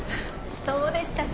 そうでしたか。